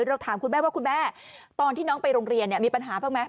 เราถามคุณแม่ว่าคุณแม่ตอนที่น้องไปโรงเรียนเนี่ยมีปัญหาบ้างไหม